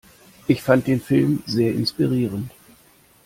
Ich fand den Film sehr inspirierend.